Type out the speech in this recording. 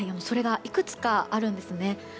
いくつかあるんですね。